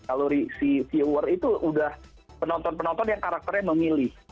kalau si viewer itu udah penonton penonton yang karakternya memilih